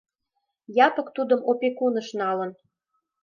Япык тудым опекуныш налын.